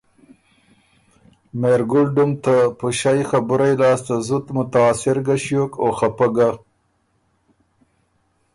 مهرګُل ډُم ته پُݭئ خبُرئ لاسته زُت متاثر ګۀ ݭیوک او خپۀ ګۀ۔